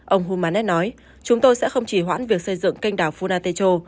ông hunmanet nói chúng tôi sẽ không chỉ hoãn việc xây dựng canh đảo funatecho